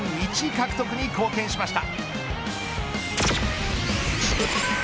１獲得に貢献しました。